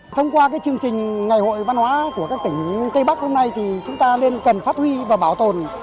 thông qua chương trình ngày hội văn hóa của các tỉnh tây bắc hôm nay thì chúng ta nên cần phát huy và bảo tồn